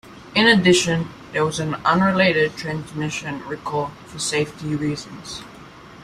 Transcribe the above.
In addition, there was an unrelated transmission recall for safety reasons.